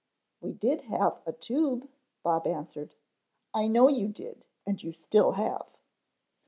"We did have a tube," Bob answered. "I know you did and you still have."